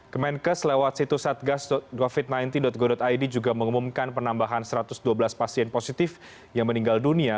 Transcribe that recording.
kemenkes lewat situs satgascovid sembilan belas go id juga mengumumkan penambahan satu ratus dua belas pasien positif yang meninggal dunia